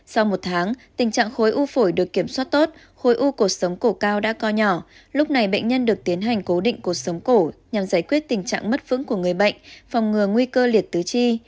sau một tháng tình trạng khối u phổi được kiểm soát tốt khối u cuộc sống cổ cao đã co nhỏ lúc này bệnh nhân được tiến hành cố định cuộc sống cổ nhằm giải quyết tình trạng mất vững của người bệnh phòng ngừa nguy cơ liệt tứ chi